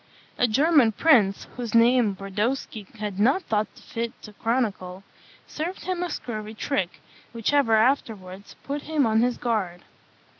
A German prince, whose name Brodowski has not thought fit to chronicle, served him a scurvy trick, which ever afterwards put him on his guard.